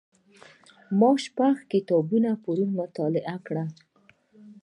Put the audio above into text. ما شپږ کتابونه پرون مطالعه کړل.